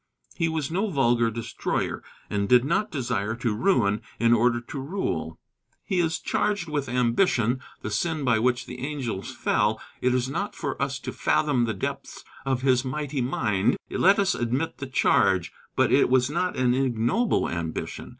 He was no vulgar destroyer, and did not desire to ruin in order to rule. He is charged with ambition, the sin by which the angels fell. It is not for us to fathom the depths of his mighty mind. Let us admit the charge. But it was not an ignoble ambition.